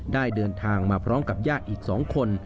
ได้เดินทางมาพร้อมกับญาติอีก๒คน